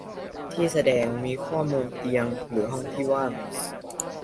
ที่แสดงข้อมูลเตียงหรือห้องที่ว่าง